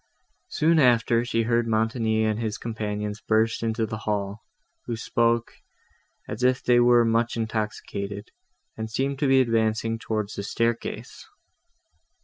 Soon after, she heard Montoni and his companions burst into the hall, who spoke, as if they were much intoxicated, and seemed to be advancing towards the staircase.